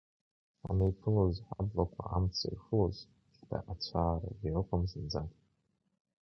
Ҳанеиԥылоз ҳаблақәа амца ирхылоз, шьҭа ацәаарагьы ыҟам зынӡа…